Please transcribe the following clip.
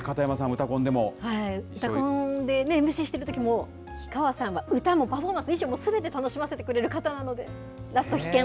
うたコンで、ＭＣしてるときも氷川さんは歌もパフォーマンスも衣装もすべて楽しませてくれる方なので、ラスト必見。